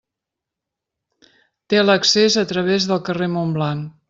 Té l'accés a través del carrer Montblanc.